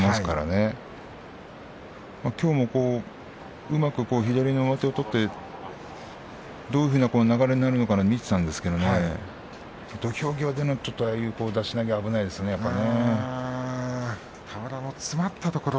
きょうもうまく左の上手を取ってどういう流れになるのか見ていたんですが土俵際でのあの出し投げは危ないですねやっぱり。